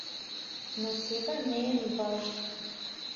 Но сега не е ни важно.